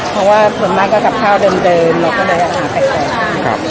เพราะว่าส่วนมากก็กับข้าวเดิมเดิมเราก็เลยอาหารแปลกแปลกครับ